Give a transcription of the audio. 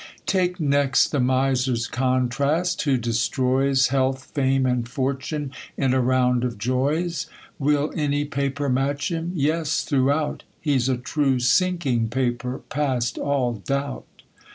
Take next the miser's contrast, who destroys Health, fame, and fortune, in a round of joys. ^ Will any paper match him ? Yes, throughout. He's a true sinking paper, past all doubt.